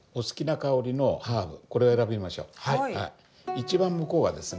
一番向こうはですね